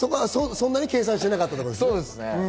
そんなに計算してなかったところですね。